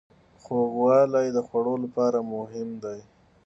خوږوالی د خوړو لپاره مهم دی.